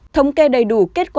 thống kê đầy đủ kết quả